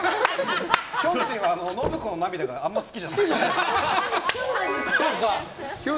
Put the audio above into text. きょんちぃは信子の涙があんまり好きじゃない。